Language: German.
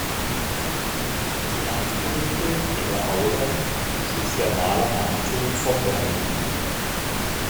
Die Wandgemälde in der Aula schuf der Maler Anton von Werner.